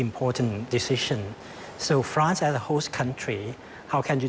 เพราะฉะนั้นแถวรัฐในทุกประเภทจะทำยังไง